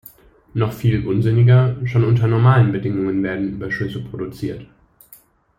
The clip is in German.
Noch viel unsinniger: Schon unter normalen Bedingungen werden Überschüsse produziert.